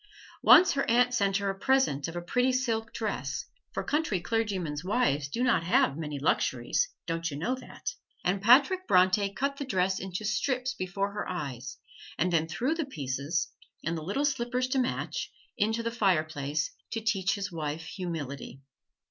Once her aunt sent her a present of a pretty silk dress, for country clergymen's wives do not have many luxuries don't you know that? and Patrick Bronte cut the dress into strips before her eyes and then threw the pieces, and the little slippers to match, into the fireplace, to teach his wife humility.